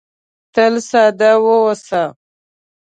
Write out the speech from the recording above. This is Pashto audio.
تل ساده واوسه .